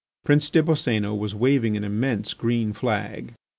Prince des Boscénos was waving an immense green flag.